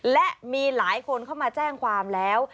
และมีหลายคนเข้ามาแจ้งความแล้ว